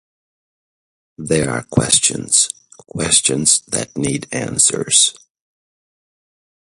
There are questions. Questions that need answers.